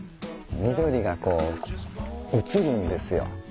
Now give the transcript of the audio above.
緑がこう映るんですよ。